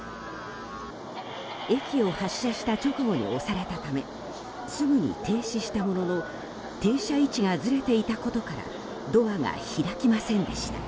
駅を発車した直後に押されたためすぐに停止したものの停車位置がずれていたことからドアが開きませんでした。